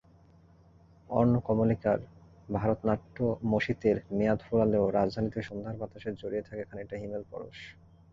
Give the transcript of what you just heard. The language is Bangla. অর্ণ কমলিকার ভরতনাট্যমশীতের মেয়াদ ফুরালেও রাজধানীতে সন্ধ্যার বাতাসে জড়িয়ে থাকে খানিকটা হিমেল পরশ।